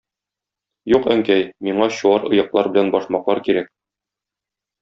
Юк, әнкәй, миңа чуар оеклар белән башмаклар кирәк.